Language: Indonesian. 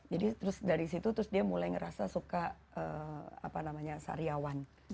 jadi terus dari situ dia mulai merasa suka sariawan